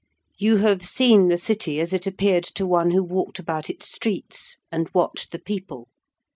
You have seen the City as it appeared to one who walked about its streets and watched the people.